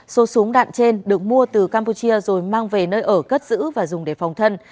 số súng đạn trên được mua từ campuchia rồi mang về nơi ở cất giữ và dùng để phòng thân